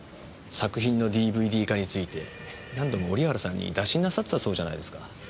作品のＤＶＤ化について何度も織原さんに打診なさってたそうじゃないですか。